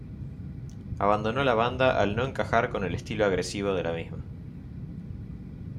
Abandonó la banda al no encajar con el estilo agresivo de la misma.